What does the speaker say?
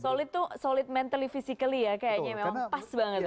solid tuh solid mentally physically ya kayaknya memang pas banget